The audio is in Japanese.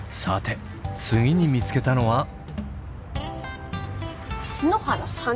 さて次に見つけたのは。